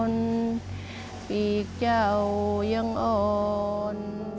อีกเจ้ายังอ่อน